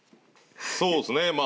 そうですねまあ